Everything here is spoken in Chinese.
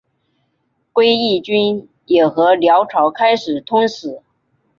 归义军也和辽朝开始通使。